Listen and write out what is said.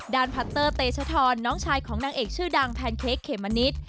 พัตเตอร์เตชธรน้องชายของนางเอกชื่อดังแพนเค้กเขมมะนิด